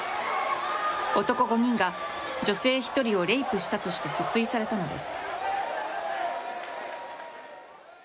男５人が女性１人をレイプしたとして訴追されたのです。